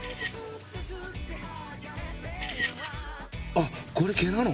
あっこれ毛なの？